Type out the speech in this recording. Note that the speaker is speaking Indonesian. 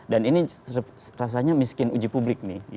dan ini rasanya miskin uji publik nih